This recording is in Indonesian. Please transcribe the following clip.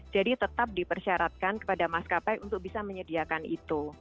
jadi tetap dipersyaratkan kepada maskapai untuk bisa menyediakan itu